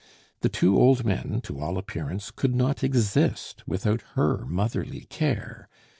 The two old men, to all appearance, could not exist without her motherly care.